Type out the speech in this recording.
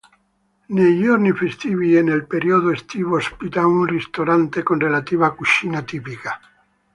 Nei giorni festivi e nel periodo estivo ospita un ristorante, con relativa cucina tipica.